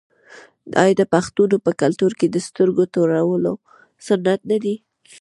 آیا د پښتنو په کلتور کې د سترګو تورول سنت نه دي؟